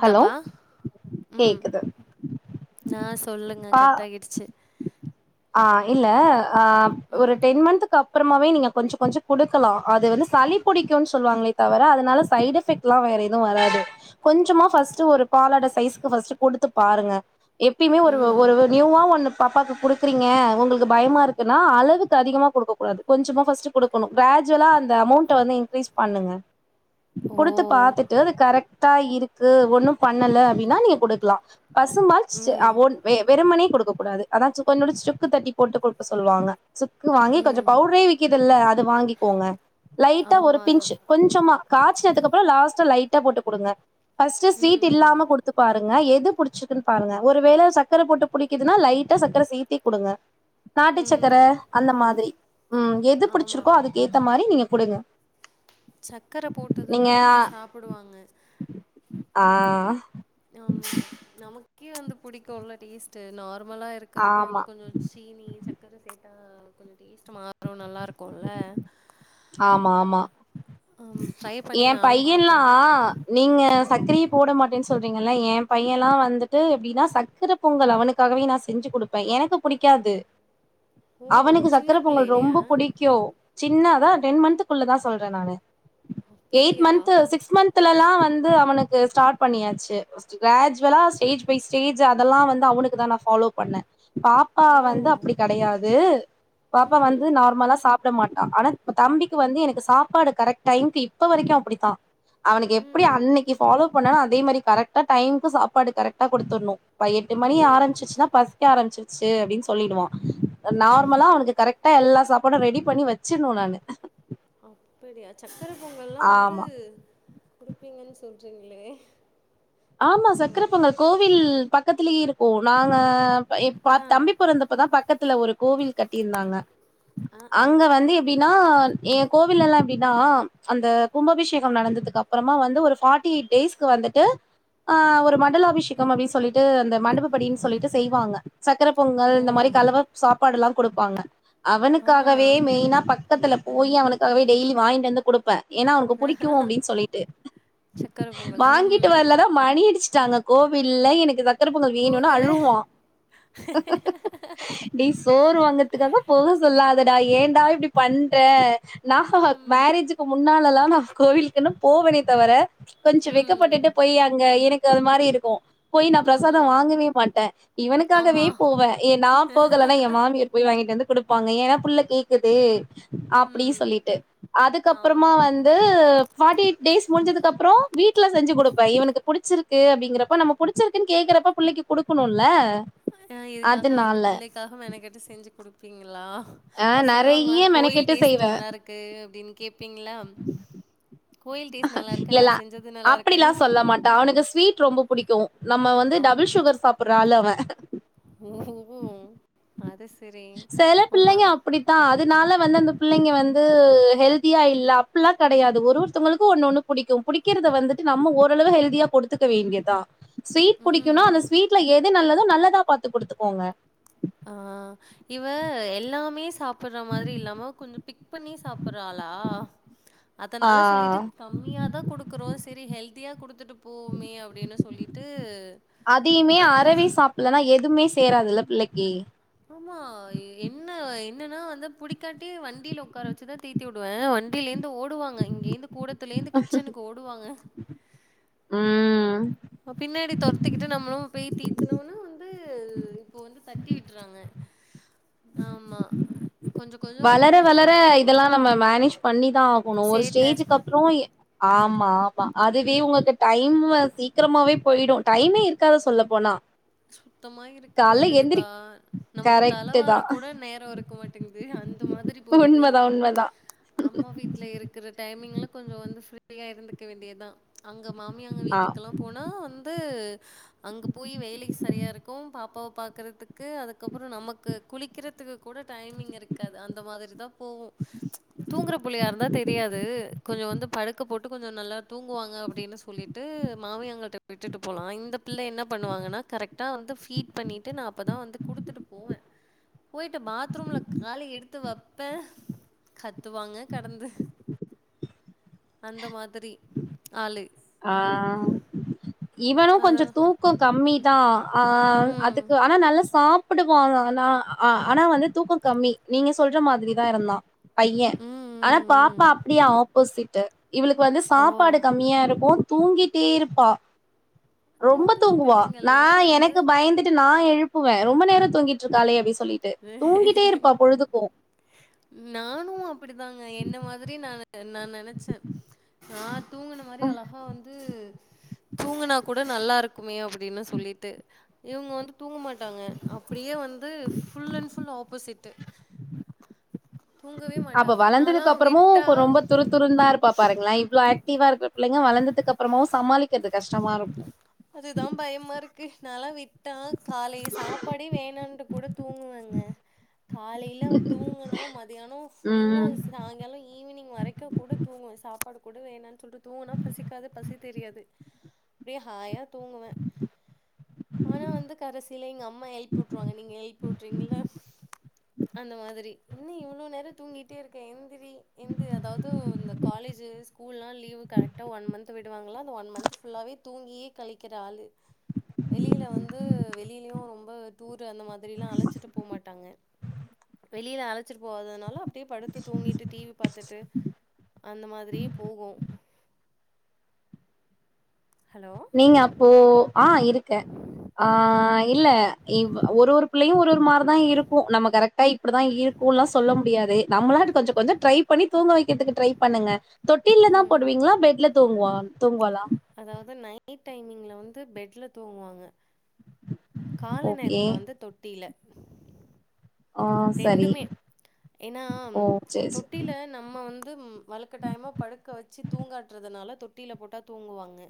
Hello உம் கேக்குது நா சொல்லுங்க பா கட் ஆகிடுச்சு ஆ இல்ல ஆ ஒரு ம். டென் மந்த்க்கப் ப்பறமாவே நீங்க கொஞ்சொ கொஞ்சொ குடுக்கலா அது வந்து சளி புடிக்குன்னு சொல்லுவாங்களே தவிர அதனால சைட் எஃபெக்ட்ல்லா வேற எதுவு வராது கொஞ்சமா ஃபஸ்ட் ஒரு பாலாட சைஸ்க்கு ஃபஸ்ட் குடுத்து பாருங்க எப்பயுமே ஒரு ஒ ம். ஒரு நியூவா ஒண்ணு பாப்பாக்கு குடு க்குறீங்க உங்களுக்கு பயமா இருக்குன்னா அளவுக்கு அதிகமா கொடுக்க கூடாது கொஞ்சமா ஃபர்ஸ்ட் குடுக்கணு கிராஜுவலா அந்த அமௌண்ட்ட வந்து இன்க்ரீஸ் பண்ணுங்க குடுத்து ஓ! பாத்துட்டு அது கரெக்ட் கரெக்ட் டா இருக்கு ஒண்ணும் பண்ணல அப்படின்னா நீங்க கொடுக்கலாம் பசும்பால் ம். அவன் [unintelligible] வெறுமனே கொடுக்க கூடாது அததான் சு கொஞ்சோண்டு சுக்கு தட்டி போட்டு கொடுக்க சொல்லுவாங்க சுக்கு வாங்கி ம். கொஞ்சம் பவுடரே விக்குத்துல அது வாங்கிக்கோங்க லைட்டா ஒரு ஆமா. பிஞ்சு கொஞ்சமா காய்ச்சுனதுக்குப்புறம் லாஸ்ட் லைட் திட்ட போட்டு கொடுங்க பர்ஸ்ட் ம். ஸ்வீட் ம். இல்லாம கொடுத்து பாருங்க எது புடிச்சிருக்குன்னு பாருங்க ஒருவேளை சக்கரை போட்டு ப புடிக்குதுன்னா லைட்டா சர்க்கரை சேத்தே கொடுங்க நாட்டுச்சக்கர ம். அந்த மாதிரி ம் எது ஆமா. புடிச்சிருக்கோ அதுக்கு ஏத்த மாதிரி நீங்க கொடுங்க சர்க்கரை போட்டதுன்னா வந்து சாப்பிடுவாங்க ஆ க்கி வந்து புடிக்க்குள்ள டேஸ்டு நார் நமலா இருக்கிறதுக்கும் ஆமா வந்து கொஞ்சம் சீனி சர்க்கரை ச கொஞ்சம் டேஸ்ட் மாறும் நல்லா இருக்கும்ல்ல ஆமா ஆமா ட்ரை பண்ணி ஏ நானும் பையன்லா பார்க்குறேன். நீங்க ம். சக்ரையே போட மாட்டேனு சொல் சொல்றீங்கல்ல ஏ பையன்லா வந்துட்டு எப்டினா சக்கர பொங்கல் அவனுக்காகவே நா செஞ்சு குடுப்பே எனக்கு புடிக்காது ஓ! அவனுக்கு சின்ன சக்கர பொங்கல் பிள்ளையிலயா? ரொம்ப புடிக்கூ சின்னதா டென் மன்த்க்குள்ளதா சொல்ற நானு எய்த் அப்படியா? மன்த்து சிக்ஸ் மன்த் மன்த்துலல்லா வந்து அவனுக்கு ஸ்டாட் பண்ணியாச்சு கிராஜ்வலா ஸ்டேஜ் பை ஸ்டேஜ் அதல்லா வந்து அவ்னுக்கு தா நா ஃபாலோ பண்ண பாப்பா ஓ! வந்து அப்டி கடையாது பாப்பா வந்து ம். நார்மலா சாப்ட மாட் ஆனா தம்பிக்கு வந்து எனக்கு சாப்பாடு கரக் டைம்கு இப்ப வரைக்கூ அப்டித்தா அவனுக்கு எப்டி ம். அன்னைக்கு ஃபாலோ பண்ணானோ அதே மறி கரக்டா டைம்க்கு சாப்பாடு கரக்டா குடுத்துட்னு ப்ப எட்டு ஓ! மணி ஆரம்சிர்சுனா பசிக்க ஆரம்சி அப்டினு சொல்லிடுவா நார்மலா அவ்னுக்கு கரக்டா எல்லா சாப் கூட ரெடி பண்ணி வச்சிர்னு நானு அப்புடியா சக்கர பொங்கல்லா வந்து ஆமா குடுப்பீங்கனு சொல்றீங்ளே ஆமா சக்கர பொங்கல் கோவில் பக்கத்துலயேருக்கோ நாங்க எப்பா ஆ. தம்பிப் பொறந்தப்பதா பக்கத் துல ஒரு கோவில் கட்டிர்ந்தாங்க ஆ, ஆ. அங்க வந்து எப்டினா ஏ கோவில்லலா எப்டினா அந்த கும்பாபிஷேகம் நடந்ததுக்கு அப்புறமா வந்து ஒரு ஃபாட்டி எயிட் டேஸ்க்கு வந்துட்டு ஆஹ் ஒரு மண்டலாபிஷேகம் அப்டினு சொல்லிட்டு அந்த மண்டபுபடினு சொல்லிட்டு செய்வாங்க சக்கர பொங்கல் ஓ! இந்த மாறி கலவ சாப்பாடுலா கொடுப்பாங்க ஆ. அவனுக்காகவே மெய்னா பக்கத்துல போயி அவனுக்காகவே டெய்லி வாய்ன்ட்டு வந்து குடுப்பே ஏனா அவ்னுக்கு புடிக்கூ அப்டினு சொல்லிட்டு சக்கர பொங்கல். ம், வாங்கிட் ம். வர்லனா மணி அடிச்டாங்க கோவில்ல எனக்கு சக்கர பொங்கல் வேணுனு போகல. அழுவா டேய் சோறு வாங்கற்துக்காக போக சொல்லா தடா ஏன்டா இப்டி பண்றே நா ஹ ஹ ம், மேரேஜுக்கு முன்னாலல்லா நா கோவில்க்குனு போவனே தவர கொஞ்சம் ம். வெக்கப்பட்டுட்டு போயி ஆ எனக்கு அது மாரி இருக்கும் போயி நான் ம், பிரசாதம் ம். வாங்கவே மாட்டேன் இவனுக்காகவே ஆமா. போவேன் ஏ நான் போகலன்னா என் மாமியார் போய் வாங்கிட்டு வந்து கொடுப்பாங்க ஏன்னா புள்ள கேக்குது அப்டினு ம். சொல்லிட்டு அதுக்கப்புறமா ஆமா. வந்து ஃபார்ட்டி எயிட் டேஸ் முடிஞ்சதுக்கப்புறம் வீட்ல செஞ்சு கொடுப்போ இவனுக்கு புட்ச்சிருக்கு அப்படிங்கிறப்ப நம்ம புடிச்சிருக்குன்னு கேக்குறப்ப புள்ளைக்கு குடுக்கணும்ல ஆஹ்ன் இதுக்காக வந்து பிள்ளைக்காக மெனக்கெட்டு செஞ்சு கொடுப்பீங்க களா ஆ அது சொல்லுவாங்களா நெறைய கோயில் மெனக்கெட்டு டேஸ்ட்டு செய்வே நல்லா இருக்கு அப்டின்னு கே ப்பீங்களா இல்லல்ல அப்டிலாம் சொல்ல மாட்டான் அவனுக்கு ஸ்வீட் ரொம்ப புடிக்கும் நம்ம வந்து அப் டபுள் சுகர் சாப்பிடுற ஆளு அவன் ஓஹோ! அது ச செல பிள்ளைங்க அப்டித்தா அதுனால வந்து அந்த பிள்ளைங்க வந்து ஹெல்தியா இல்ல அப்லா கெடையாது ஒரு ஒருத்தவுங்களுக்கு ஒன்னு ஒன்னு புடிக்கு புடிக்கிறத வந்துட்டு நம்ம ஓரளவு ஹெல்தியா கொடுத்துக்க வேண்டியதா ஸ்வீட் புடிக்கும்னா அந்த ம். ஸ்வீட்ல எது நல்ல தா நல்லதா பாத்து குடுத்துக்கோங்க ஆஹ்ன் இவ எல்லாமே சாப் பிடுற மாரி இல்லாம கொஞ்சம் பிக் பண்ணி சாப்பிடுற ஆளா ஆ அதனால சொல்லிட்டு கம்மியா தா கொடுக்கறோ சேரி ஹெல்த்தியா குடுத்துட்டுப் போவமே அப்டின்னு சொல்லிட்டு அதையுமே அஹ்ன் அறவே சாப்பிட்லன்னா எதுவுமே சேராதுல்ல பிள்ளைக்கு ஆமா என்ன என்னன்னா வந்து புடிக்காட்டி வண்டில உக்கார வச்சுதா தீத்தி விடுவே வண்டிலந் ந்து ஓடுவாங்க இங்கேந்து கூடத்துலேந்து கிச்சனுக்கு ஓடுவாங்க ம் பின்னாடி தொரத்திக்கிட்டு நம்மளு போயி தீத்தனோம்னு வந்து இப்போ வந்து தட்டி விட்றாங்க ஆமா கொஞ்சம் கொஞ்சம் வந்து வளர நீங்க சொ வளர இதெல்லா நம்ம மேனேஜ் பண்ணிதா ஆகணு ஒரு சேட்ட ஸ்டேஜுக்கு அப்பற ஆன் ஆமா ஆமா அதுவே உங்களுக்கு டைம்மு சீக்கிரமாவே போயிடு டைமே இருக்காது சொல்ல போனா சுத்தமா இருக்க கால்ல எந்திரி மாட்டேதுப்பா நமக்கு தல கரெக்ட் தா வார கூட நேர இருக்க மாட்டேங்குது அந் அந்த மாதிரி போகுது உண்மதா உண்மதா அம்மா வீட்ல இருக்கிறது டைமிங்ல கொஞ்ச வந்து ஃப்ரீயா இருந்துக்க வேண்டியதா அங்க மாமியாங்க ஆ வீட்டுக்கெல்லா போனா வந்து அங்க போய் வேலைஸ் க்கு பாப்பாவ பாக்கறதுக்கு அதுக்கப்பற நமக்கு குளிக்கிறதுக்கு கூட டைமிங் இருக்காது அந்த மாதிரி தா இப்பவு தூங்குற புள்ளயாருந்தா தெரியாது கொஞ்ச வந்து படுக்க போட்டு கொஞ்ச நல்லா தூங்குவாங்க அப்டின்னு சொல்லிட்டு மாமியங்களிட்ட விட்டுட்டு போலா இந்த தில்ல என்னா பண்ணுவாங்கன்ன கரெட் வந்து ஃபீட் பண்ணிட்டு நா அப்பதா வந்து குடுத்துட்டு போவே போயிட்டு பாத்ரூம்ல கால எடுத்து வப்பே கத்துவாங்க கடந்து அந்த மாதிரி ஆளு ஆஹ் இவனு கொஞ்ச அதான். தூக்கொ கம்மி தா ஆஹ் ம். ம். அதுக்கு ஆனா நல்லா சாப்ப அப்பிட்டு போகனு அதெல்லா ஆ ஆனா வந்து தூக்கம் கம்மி நீங்க சொல்ற மாதிரி தா இருந்தா பைய ஆனா ம். பாப்பா ம். அப்படியாவு போசிட்டு இவளுக்கு வந்து ஓ! சாப்பாடு கம்மியா இருக் அப்போ தூங்கிட்டே இருப்பா ரொம்ப தூங்குன தூங்குவா பிள்ளைங்கள் நா தான் வந்து எனக்கு பயந்துட்டு நா எழு ப்புவ ரொம்ப நேரோ தூங்கிட்ருக்காளே அப்டி சொல்லிட்டு தூங்கிட்டே இருப்பா பொழுதுக்கு நானு அப்படிதா என்ன மாதிரி நானு நா நென ச்ச நா தூங்குன மாரி அழகா வந்து தூங்கினா கூட நல்லாருக்குமே அப்டின்னு சொல்லிட்டு இவங்க வந்து தூங்க மாட்டாங்க அப்படியே வந் தூஃப் ஃபுல் அண்ட் ஃபுல் ஆப்போசிட்டு் அப்ப வளர்ந்ததுக்கப்புறமு ரொம்ப துரு துருந்தா ருப்பா பாருங்களே இவ்ளோ ஆக் தீவா இருக்கிற பிள்ளைங்க வளந்ததுக்கப்புறமு சமாளிக்கிறது கஷ்டமா ருக்கு அதுதா பயமா ருக்கு நல்லா விட்டா காலைல சாப்பாடே வேணான்ட்டு கூட தூங்குவங்க காலையில அவ தூங்குனா மதி தியானோ ஃபுல்லா ம் சாயங்கால ஈவினிங் வரைக்கும் கூட தூங்குவ சாப்பாடு கூட வேணா சொல்லிட்டு தூங்கனா பசிக்காது பசி தெரியாது அப்டியே ஹாயா தூங்குவ ஆனா வந்து கடைசியில எங்க அம்மா எழுப் வுட்ருவாங்க நீங்க எழுப் விட்றீங்கள்ள அந்த மாதிரி என்ன இவ்வளோ நேரரோ தூங்கிட்டே இருக்க எந் திரி எந்து அதாவது இந்த காலேஜு ஸ்கூலலா லீவு் கரெக்டா ஒன் மந்த் விடுவாங்களா அந்த ஒன் மந்த் ஃபுல்லாவே தூங்கியே கழிக்கிற ஆளு வெளியில வந்து வெளியிலயும் ரொம்ப டூர் ர் அந்த மாதிரி எல்லா அழைச்சிட்டு போக மாட்டாங்க வெளியில அழைச்சட்டு போவாதனால படுத்து தூங்கிட்டு டிவி பாரத்துுட்டு அந்த மாதிரியே போகு ஹலோ நீங்க அப்போ ஆஹ் இருக் க ம் ஆஹ் இல்ல ஒரு ஒரு பிள்ளையு ஒரு ஒரு மாரி தா இருக்கு நம்ம கரெக்ட் டா இப்படிதா இருக்கும்ல்லா சொல்ல முடியாது நம்மளாட்டு கொஞ்சோ கொஞ்சோ ட்ரை பன்னி தூங்க வைக்கிறதுக்கு ட்ரை பண்ணுங்க தொட்டில்ல தா ம் போடுவீங்களா பெட்ல தூங்குவா தூங்கவாலா அதாவது நைட் டைமிங்ல வந்து பெட்ல தூங்குவாங்க கால ஓகே நேரத்துல வந்து தொட்டில ஆ சரி ரெண்டுமே ஏன்னா ஓ சேரி சேரி தொட்டில நம்ம வந்து அ வழுக்க டைமாக படுக்க வெச்சு தூங்காட்டுறதுனால தொட்டியில போட்டால் தூங்குவாங்க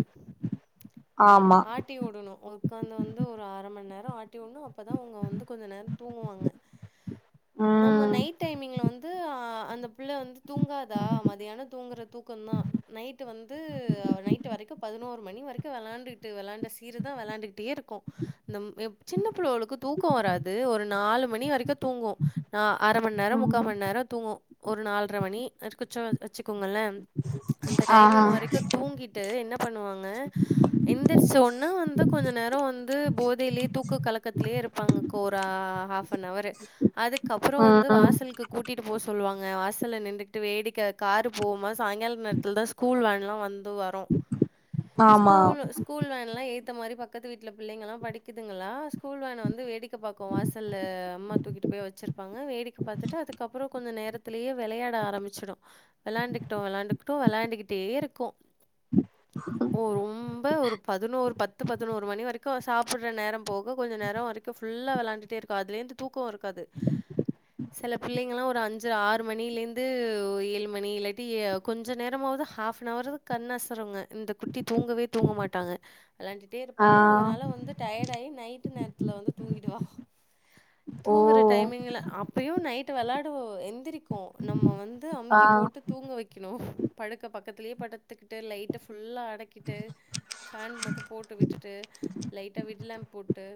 ஆமா ஆட்டி வுடணும் உக்காந்து வந்து ஒரு அர மண் நேரம் ஆட்டியும் அப்பதான் அவங்க வந்து கொஞ்ச நேரம் தூங்குவாங்க நம்ம ம் நைட் டைமிங்ல வந்து அந்த பிள்ள வந்து தூங்காதா மதியானம் தூங்குகிற தூக்கம தான் நைட்டு வந்து அவ நைட்டு வரைக்கும் பதினோரு மணி வரைக்கும் விளாண்டுக்கிட்டு விளாண்ட சீரை தான் விளாண்டுக்கிட்டே இருக்கும் கும் நம் சின்ன பிள்ளைளுக்கு தூக்கம் வராது ஒரு நாலு மணி அரைக்க தூங்கும் நா அரை மண் நேர முக்கா மன் நேரம் தூங்கும் ஒரு நால்ர மணி [unintelligible] இருங்க அந்த ஆ டைமிங் வரைக்கும் தூங்கிட்டு என்ன பண்ணுவாங்க எந்திரிச்சு ஒன்னா வந்து கொஞ்ச நேரம் வந்து போதையிலயே தூக்கு கலக்கத்திலேயே இருப்பாங்க ஒரு ஹாப் நவரு அதுக்கப்புறம் வந்து ம் வாசலுக்கு கூட்டிட்டு போ சொல்லுவாங்க வாசல்ல நின்னுட்டு வேடிக்கை காரு போமா சாயங்கால நேரத்தில தான் ஸ்கூல் வேன் லாம் வந் வரும் ஆமா ஸ்கூல் ஸ்கூல் வேன்ல்லாம் எத்து த்த மாதிரி பக்கத்து வீட்டுல பிள்ளைங்க எல்லாம் படிக்குதுங்களா ஸ்கூல் வேன் வந்து வேடிக்க பாக்கும் வாசல்ல தூக்கிட்டு போய் வெச்சிருப்பாங்க வேடிக்க பாத்துட்டு அதுக்கப்புறம் கொஞ்சம் நேரத்திலயே விளையாட ஆரம்பிச்சுடும் விளையாண்டுக்கிட்டோம் விளையாண்டுக்கிட்டோ விளையாண்டுக்கிட்டே இருக்கும் ஓ ரொம்ப ஒரு பதினோரு பத்து பத்து பதினோரு மணி வரைக்கும் சாப்பிடுற நேரம் போக கொஞ்சம் நேரம் வரைக்கும் ஃபுல்லா விளாண்டுட்டே இருக்கும் அதுலேருந்து கோருக்காது சல பிள்ளைங்கலாம் ஒரு அஞ்சு ஆறு மணிலேருந்து ஏழு மணி இல்லாட்டி கொஞ்சம் நேரமாவது ஹாஃப் அன்வர் கண் அசருங்க இந்த குட்டி தூங்கவே தூங்க மாட்டாங்க விளாண்டுட்டே ஆ இருப்பாங்க அதனால வந்து டயர்ட் ஆகி நைட்டு நேரத்துல வந்து தூங்கிடுவா ஓ தூங்குற டைமிங்ல அப்பயும் நைட் விளாடுவோ எந்திருக் நம்ம வந்து ஆ அமிக்கி போட்டு தூங்க வெக்கணும் படுக்க பக்கத்திலயே படுத்துக்குட்டு லைட்டு ஃபுல் புள்ளா அடக்கிட்டு ஃபேன் மட்டும் போட்டு விட்டுட்டு லைட்டாக விட் லேம்ப் போட்டு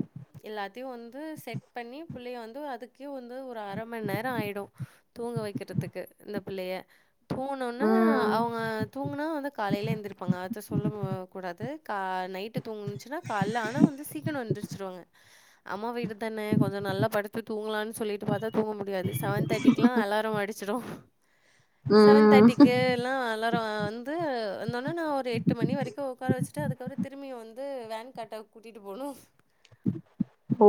எல்லாத்தையும் வந்து செட் பண்ணி புள்ளய வந்து அதுக்கே வந்து ஒரு அர மண் நேரம் ஆயிடும் தூங்க வெக்கிறதுக்கு இந்த பிள்ளையே தூன ஒன்னே ம் அவுங்க தூங்குனா வந்து காலைல எந்திர்ப்பாங்க அத சொல்லம் கூடாது கா நைட்டு தூங்குன்ச்சுன்னா கால்ல ஆனா வந்து சீக்கனு எந்துர்ச்சிருவாங்க அம்மா வீடு தானே கொஞ்ச நல்லா படுத்து தூங்கலான்னு சொல்லிட்டு பாத்தா தூங்கவு முடியாது சவன் தேட்டிக்லா அலாரம் அடிச்சுரோ சவன் ம் தேட்டிக்குலா அலா றோ வந்து வந்தோ ன்ன நா ஒரு எட்டு மணி வரைக்கு உக்கார வச்சுட்டு அதுக்கவற திரும்பியு வந்து து வேன் கட்டா கூட்டிட்டு போணோ ஓ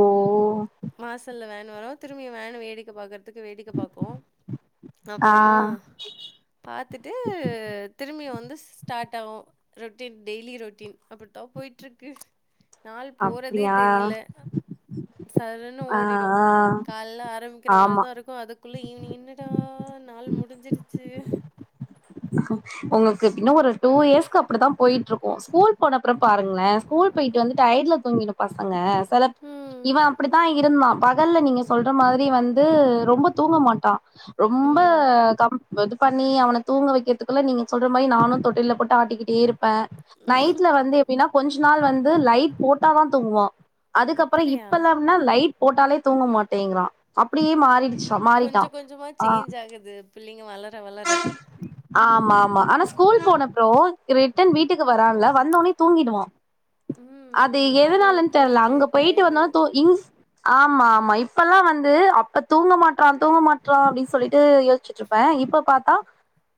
னரவ திரும்பியு வேன வேடிக்க பாக்கற் துக்கு வேடிக்க பாப்போ ஆ அப்பறமா பாத்துட்டு திரும்பியு வந்து ஸ்டார்ட் ஆவோ ரோட்டின் டெய்லி ரோட்டின் அப்டித்தா போயிட்டுருக்கு நாள் போறதே அப்டியா தெரில சர்ன்னு ஆ ஓடிடோ ஆ கால்ல ஆரம்க்கிற ஆமா மாரிதா இருக்கோ அதுக்குள்ள ஈவினிங்ன்னு டடார் நாள் முடிஞ்சிஞ்ச்சு அ ஆ உங்குள்க்கு இன்னு ஒரு டூ எர்ஸ்க்கு அப்புடித்தா போயிட்டுருக்கோ ஸ்கூல் போனப்பறம் பாருங்களே ஸ்கூல் போயிட்டு வந்து டயர்டுல தூங்கிடோ பசங்க சல ம் இவ அப்பிடித்தா இருந்தா பகல்ல நீங்க சொல்ற மாரி வந்து ரொம்ப தூங்க மாட்டா ரொம்ப ம் கம் வது பண்ணி அவன தூங்க வெக்கத்துக்குள்ள நீங்க சொல்ற மாரி நானு தொட்டில்ல போட்டு ஆட்டிக்கிட்டே இரு பே நைட்ல வந்து எப்பினா கொஞ்சு நாள் வந்து லைட் போட்டாதா தூங்குவா அதுக்கப்பறோ அப்படியா இப்பல்லாம்ன லைட் போட்டாலே தூங்க மாட்டேங்கரா அப்டியே மாறிடிச்சு கொஞ்ச கொஞ்சமா சேஞ்ச் ஆகுது பிள்ளைங்க வளர வளர ஆமா ஆமா ஆனா ஸ்கூல் போனப்றோ ரிட்டர்ன் வீட்டுக்கு வரான்ல வந்தோனே தூங்கிடுவா ம் அது ம் எதுனாலன்னு தெர்ல போயிட்டு அங்க போயிட்டு டயர்டு வந்தோன து இங் ஆமா ஆமா இப்பெல்லா வந்து அப்ப தூங்க மாட்றா தூங்க மாட்றா அப்டின்னு சொல்லிட்டு யோசிச்ட்டுருப்பே இப்ப பாத்தா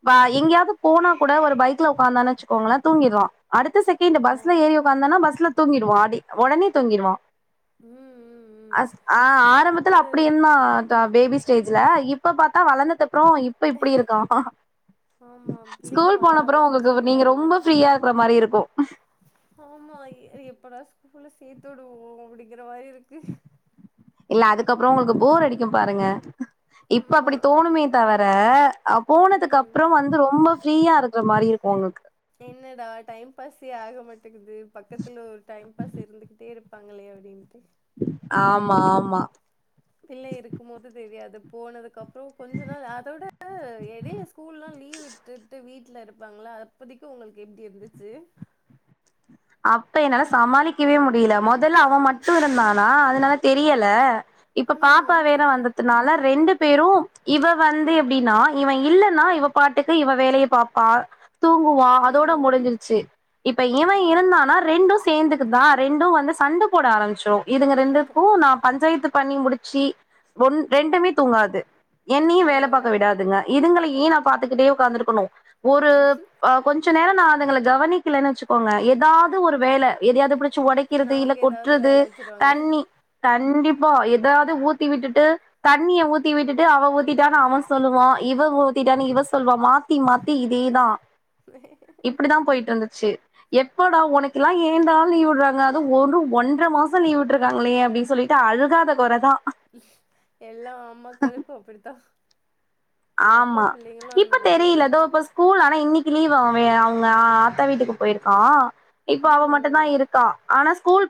வா எங்கியாவுது போனா கூட ஒரு பைக்ல உக்காந்தா நெச்சுக்கோங்கள தூங்கிறா அடுத்த செகண்ட் ஓ பஸ்ல ஏறி உக்காந்தனா பஸ்ல தூங்கிறுவா ஆதி ஒடனே தூங்கிறுவா ம் ம் ம் அஸ் ஆ ஆரம்பத்துல அது அப்டி இருந்தா த பேபி ஸ்டேஜ்ல இப்ப பாத்தா வளந்து அப்றோ இப்ப இப்டி இருக்கா ஆமா பிள்ளைங்க வளர வளர சேஞ்ச் ஆகுது கேக்கற மாரி இருக்கு ஆமா எப்படா ஸ்கூல்ல சேத்துடுவோ அப்டி இல்ல ஆ, அதுக்கப்றோ உங்ளுக்கு போர் அடிக்கு பாருங்க இப்ப ஆமா அப்டி தோணுமே தவர அ போனதுக்கு ம் அப்றோ வந்து ரொம்ப ஃப்ரீயா இருக்கற மாரி இருக்கு உங்ளுக் என்னடா டைம் பாஸே ஆக மாட் ங்குது பக்கத்துல ஒரு டைம் பாஸ் இருந்துகிட்டே இரு பாங்களே அப்டின்ட்டு ஆமா ஆமா பிள்ள இருக்கு போது தெரியாது போனதுக் அப் றோ கொஞ்ச நாள் அதோட எடைல ஸ்கூல்லா லீவ் விட்டுட்டு வீட் லருப்பாங்களா அப்போதைக்கு உங்களுக்கு எப்டி இருந்துச்சு அப்ப என்னால சமாளிக்கவே முடில முதல்ல அவன் மட்டு இருந்தானா அதனால தெரியல இப்ப பாப்பா ம். வேற வந்ததுனால ரெண்டு பேரு இவ வந்து எப்டின்னா இவன் இல்லைன்னா இவ பாட்டுக்கு இவ வேலைய பாப்பா தூங்குவா அதோட ம். முடிஞ்சிருச்சு இப்ப இவன் ஆ. இருந்தானா ரெண்டு சே ந்துக்கு தா ரெண்டும் வந்து சண்ட போட ஆரமிச்சிரூ இதுங்க ரெண்டுத்கூ நா பஞ்சாய்த்து பண்ணி முடிச்சி ஒன் ரெண்டுமே தூங்காது என்னியும் ஓ! வேல பாக்க விடாதுங்க இதுங்களயே நா பாத்துக்கிட்டே உக்காந்துருக்கணு ஒரு அ கொஞ்ச ஞ்ச நேரோ நா அதுங்கள கவனிக்குலன் வச்சுக்கோங்க எத் தாவ்து ஒரு வேல எதியாவ்து பிடிச் ச்சு ஒடைக்கிறது இல்ல நமக்கு ஏதாவது கொட்றது வேல வச்சுருவாங்க. தண்ணி கண்டிப்பா எதாவ்து ஊத்தி விட்டுட்டு தண்ணிய ஊத்தி விட்டுட்டு அவ ஊத்திட்டான்னு அவன் சொல்லுவான் இவ ஊத்திட்டான்னு இவ சொல்வா மாத்தி மாத்தி இதேதா இப்டிதான் போயிட்ருந்து ச்சு எப் ப்படா ஒனக்குலாம் ஏந்தா லீவ் விடுறாங்க அது ஒரு ஒன்ற மாசோ லீவ் விட்ருக்காங்ளே அப்டின் சொல்லிட்டு அழுகாத கோற தா எல்லா அம்மாக்களுக்கு அப்டித்தா ஆமா இப்ப தெரில தோ இப்ப ஸ்கூல் ஆனா இன்னிக்கு லீவ் அவே அவ்ங்க ஆ ஆத்தா வீட்டுக்கு போயிருக்கா இப்போ ம். அவ மட்டுந்தா ம். இருக்கா ஆனாஸ் கூல்